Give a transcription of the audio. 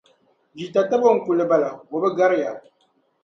Yi tatabo, n kuli bala, o bi gari ya.